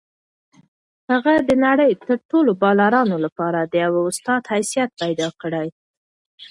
هغه د نړۍ د ټولو بالرانو لپاره د یو استاد حیثیت پیدا کړی دی.